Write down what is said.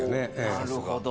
なるほど。